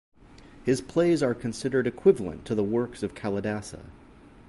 His plays are considered equivalent to the works of Kalidasa.